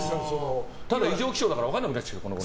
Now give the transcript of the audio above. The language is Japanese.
ただ異常気象だから分からなくなるね、このごろ。